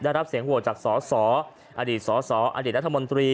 ได้รับเสียงโหวตจากสอสออดีตสสอดีตรัฐมนตรี